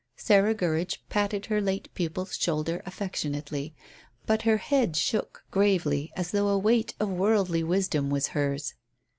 Sarah Gurridge patted her late pupil's shoulder affectionately. But her head shook gravely as though a weight of worldly wisdom was hers.